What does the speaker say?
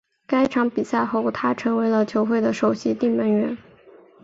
这场比赛后他成为了球会的首席定门员。